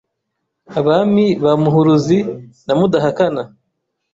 Abami ba Muhuruzi na Mudahakana